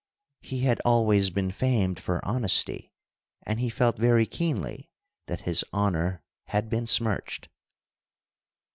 He had always been famed for honesty, and he felt very keenly that his honor had been smirched.